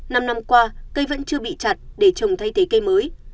năm năm qua cây vẫn chưa bị chặt để trồng thay thế cây mới